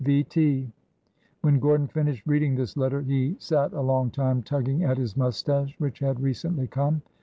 « V. T.'" When Gordon finished reading this letter, he sat a long time tugging at his mustache, which had recently come.